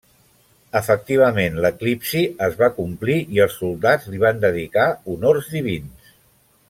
Efectivament l'eclipsi es va complir i els soldats li van dedicar honors divins.